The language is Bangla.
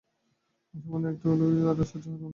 সামান্য একটু আলোও ওর অসহ্য মনে হয়।